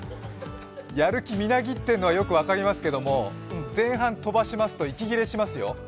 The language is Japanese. やる気みなぎってるのは、よく分かりますけど、前半飛ばしますと息切れしますよ。